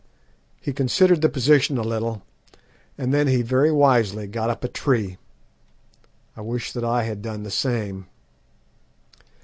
"He considered the position a little, and then he very wisely got up a tree. I wish that I had done the same.